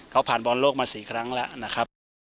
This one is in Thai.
เขาผ่านบอลโลกมา๔ครั้งแล้วนะครับ